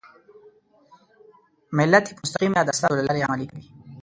ملت یې په مستقیم یا د استازو له لارې عملي کوي.